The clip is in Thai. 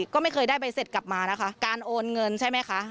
ก็ไม่เคยได้ใบเสร็จกลับมานะคะการโอนเงินใช่ไหมคะ